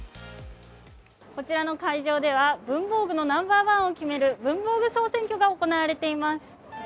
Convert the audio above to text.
こちらの会場では文房具のナンバーワンを決める文房具総選挙が行われています。